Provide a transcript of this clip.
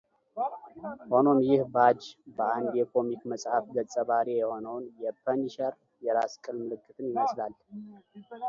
ሆኖም ይህ ባጅ በአንድ የኮሚክ መጽሃፍ ገጸ ባህሪ የሆነውን ‘የፐኒሸር’ የራስ ቅል ምልክትን ይመስላል።